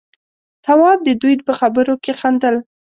تواب د دوي په خبرو کې خندل.